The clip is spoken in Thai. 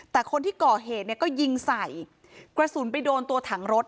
แต่คนที่ก่อเหตุเนี่ยก็ยิงใส่กระสุนไปโดนตัวถังรถ